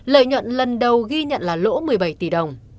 lợi nhuận lần đầu ghi nhận là lỗ một mươi bảy tỷ đồng